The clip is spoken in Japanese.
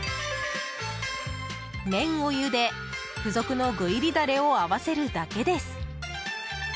麺をゆで、付属の具入りダレを合わせるだけです。